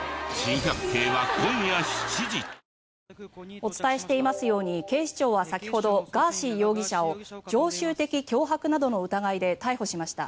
お伝えしていますように警視庁は先ほどガーシー容疑者を常習的脅迫などの疑いで逮捕しました。